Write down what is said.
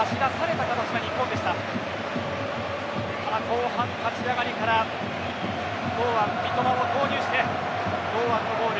ただ、後半立ち上がりから堂安、三笘を投入して堂安、ゴール。